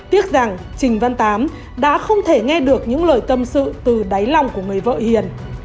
tiếc rằng trình văn tám đã không thể nghe được những lời tâm sự từ đáy lòng của người vợ hiền